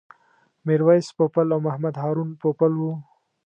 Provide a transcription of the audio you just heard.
میرویس پوپل او محمد هارون پوپل و.